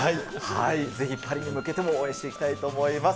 ぜひパリに向けても応援していきたいと思います。